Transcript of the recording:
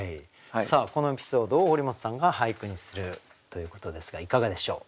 このエピソードを堀本さんが俳句にするということですがいかがでしょう？